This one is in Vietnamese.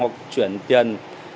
hoặc chuyển tiền